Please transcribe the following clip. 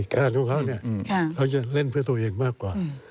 การของเขาเนี่ยเขาจะเล่นเพื่อตัวเองมากกว่า